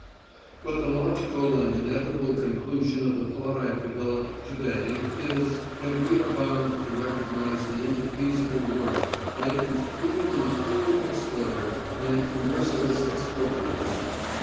But the logical and inevitable conclusion of the thought I have developed to day is, that we are bound to recognize the indefeasible worth latent even in the cruel exploiter and the merciless expropriator.